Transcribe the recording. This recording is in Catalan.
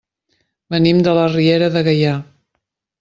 Venim de la Riera de Gaià.